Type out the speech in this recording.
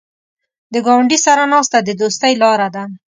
د ګاونډي سره ناسته د دوستۍ لاره ده